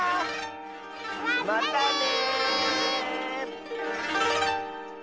またね！